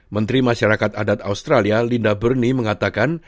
menteri masyarakat adat australia linda bernie mengatakan